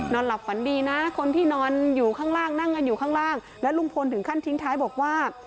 หลับฝันดีนะคนที่นอนอยู่ข้างล่างนั่งกันอยู่ข้างล่างและลุงพลถึงขั้นทิ้งท้ายบอกว่า